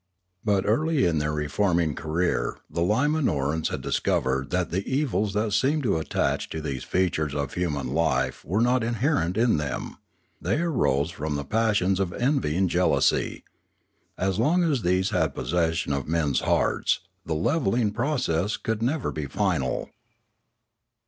But early in their reforming career the Iyimanorans had discovered that the evils that seemed to attach to these features of human life were not inherent in them; they arose from the passions of envy and jealousy. As long as these had possession of men's hearts, the levelling process could never be final.